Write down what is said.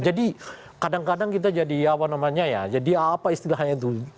jadi kadang kadang kita jadi apa namanya ya jadi apa istilahnya itu